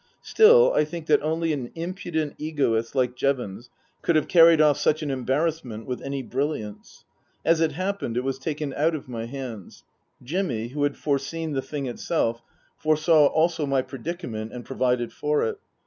Still, I think that only an impudent egoist like Jevons could have carried off such an embarrassment with any brilliance. As it happened it was taken out of my hands. Jimmy, who had foreseen the thing itself, foresaw also my predica ment and provided for it.